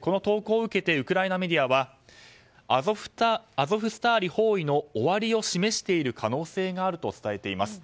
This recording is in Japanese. この投稿を受けてウクライナメディアはアゾフスターリ包囲の終わりを示している可能性があると伝えています。